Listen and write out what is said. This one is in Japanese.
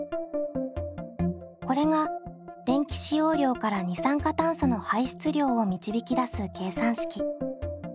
これが電気使用量から二酸化炭素の排出量を導き出す計算式。